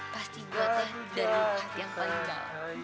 pasti buatnya dari hati yang paling jalan